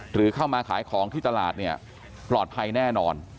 หรือเข้ามาขายของที่ตลาดเนี่ยปลอดภัยแน่นอน